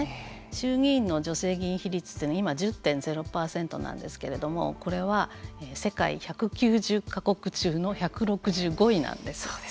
衆議院の女性議員比率というのは今、１０パーセントなんですけれどもこれは世界１９０か国中の１６５位なんです。